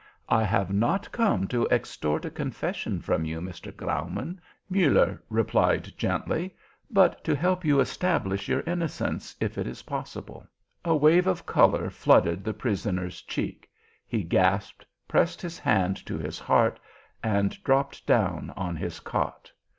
"I have not come to extort a confession from you, Mr. Graumann," Muller replied gently, "but to help you establish your innocence, if it be possible." A wave of colour flooded the prisoner's cheek. He gasped, pressed his hand to his heart, and dropped down on his cot.